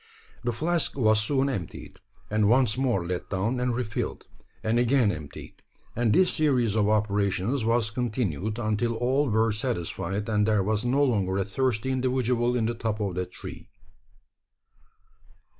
The flask was soon emptied; and once more let down and re filled, and again emptied; and this series of operations was continued, until all were satisfied, and there was no longer a thirsty individual in the top of that tree.